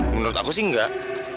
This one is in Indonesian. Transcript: menurut aku sih enggak